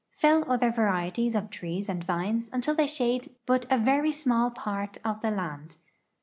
Fell other varieties of trees and vines until they shade but a very small part of the land.